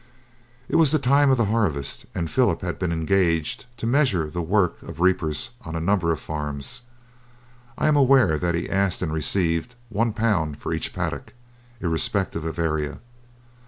It was the time of the harvest, and Philip had been engaged to measure the work of the reapers on a number of farms. I am aware that he asked and received 1 pound for each paddock, irrespective of area.